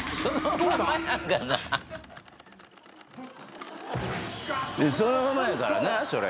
どうだ⁉そのままやからなそれ。